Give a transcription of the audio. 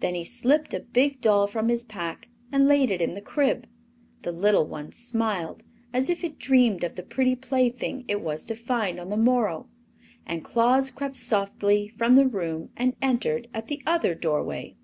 Then he slipped a big doll from his pack and laid it in the crib. The little one smiled, as if it dreamed of the pretty plaything it was to find on the morrow, and Claus crept softly from the room and entered at the other doorway.